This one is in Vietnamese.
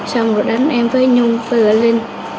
xong rồi đánh em với nhung với lê linh